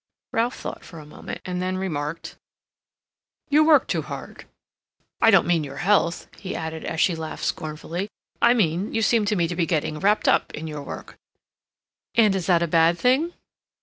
Ralph thought for a moment, and then remarked: "You work too hard. I don't mean your health," he added, as she laughed scornfully, "I mean that you seem to me to be getting wrapped up in your work." "And is that a bad thing?"